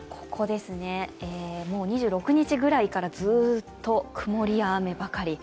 もう２６日ぐらいから、ずっと曇りや雨ばかり。